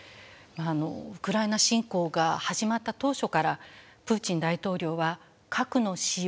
ウクライナ侵攻が始まった当初からプーチン大統領は核の使用